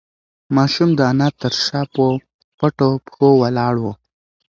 ماشوم د انا تر شا په پټو پښو ولاړ و.